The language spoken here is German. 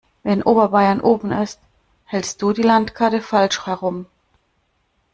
Wenn Oberbayern oben ist, hältst du die Landkarte falsch herum.